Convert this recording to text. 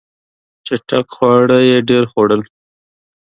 چټک خواړه یې ډېر خوړل.